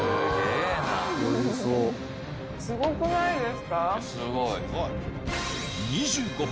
すごい。